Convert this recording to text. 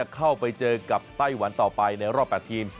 เข้าไปเจอกับไต้หวันต่อไปในรอบ๘ทีม